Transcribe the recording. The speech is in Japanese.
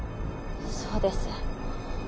そうです